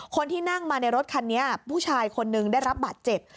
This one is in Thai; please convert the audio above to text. คนที่นั่งมาในรถคันนี้ผู้ชายคนนึงได้รับบาดเจ็บ